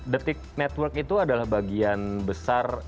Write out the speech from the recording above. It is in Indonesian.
detik network itu adalah bagian besar